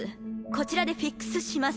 こちらでフィックスします。